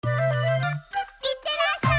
いってらっしゃい！